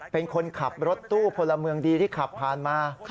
เป็นคนขับรถตู้พลเมืองดีที่ขับผ่านมา